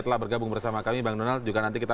telah bergabung bersama kami bang donald juga nanti kita